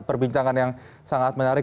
perbincangan yang sangat menarik